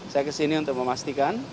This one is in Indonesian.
saya kesini untuk memastikan